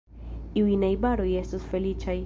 Iuj najbaroj estos feliĉaj.